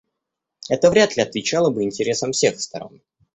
Это вряд ли отвечало бы интересам всех сторон.